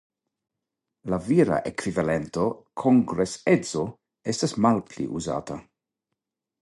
La vira ekvivalento kongresedzo estas malpli uzata.